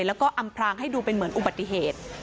แล้วก็อำพรางให้ดูเป็นเหมือนอุบัติเหตุ